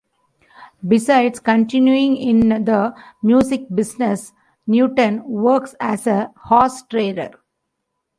Besides continuing in the music business, Newton works as a horse trader.